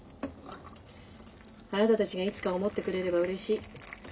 あなたたちがいつか思ってくれればうれしい。